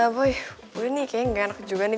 bu ini kayaknya gak enak juga nih